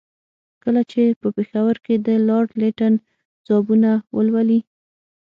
کله چې په پېښور کې د لارډ لیټن ځوابونه ولولي.